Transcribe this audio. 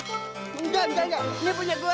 enggak enggak enggak ini punya gua